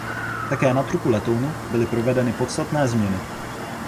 Také na trupu letounu byly provedeny podstatné změny.